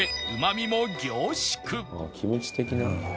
キムチ的な。